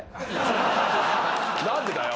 何でだよ。